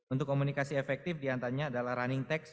untuk komunikasi efektif diantaranya adalah running text